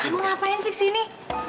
kamu ngapain sih kesini